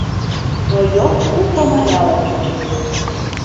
Но йол пу комыляла чучеш.